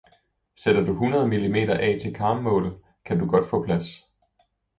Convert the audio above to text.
sætter du hundrede millimeter af til karmmål kan du godt få plads